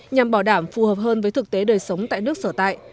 nhằm bảo đảm phù hợp hơn với thực tế đời sống tại nước sở tại